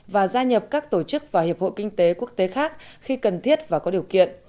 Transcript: và gia nhập các tổ chức và hiệp hội kinh tế quốc tế khác khi cần thiết và có điều kiện